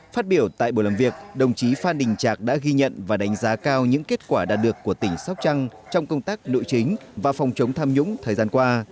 phát biểu tại buổi làm việc đồng chí phan đình trạc đã ghi nhận và đánh giá cao những kết quả đạt được của tỉnh sóc trăng trong công tác nội chính và phòng chống tham nhũng thời gian qua